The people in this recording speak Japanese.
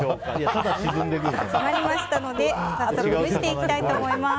詰まりましたので早速蒸していきたいと思います。